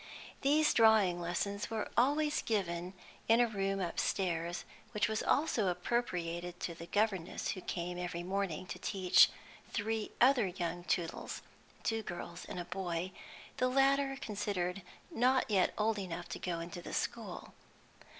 These drawing lessons were always given in a room upstairs, which was also appropriated to the governess who came every morning to teach three other young Tootles, two girls and a boy, the latter considered not yet old enough to go into the school.